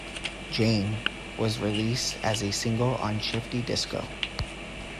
"Jane" was released as a single on Shifty Disco.